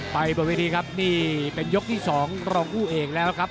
บนวิธีครับนี่เป็นยกที่๒รองคู่เอกแล้วครับ